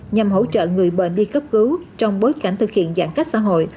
nhằm hỗ trợ người bệnh đi cấp cứu trong bối cảnh thực hiện giãn cách xã hội